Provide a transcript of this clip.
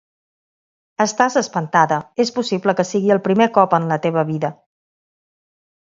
Estàs espantada, és possible que sigui el primer cop en la teva vida.